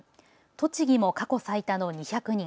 栃木も過去最多の２００人。